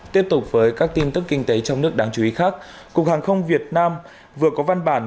tiếp tục với các tin tức kinh tế trong nước đáng chú ý khác cục hàng không việt nam vừa có văn bản